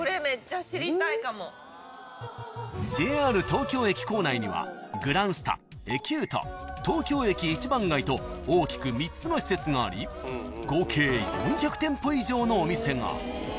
［ＪＲ東京駅構内にはグランスタエキュート東京駅一番街と大きく３つの施設があり合計４００店舗以上のお店が］